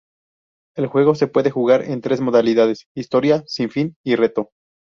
El juego se puede jugar en tres modalidades: "Historia", "Sin Fin" y "Reto".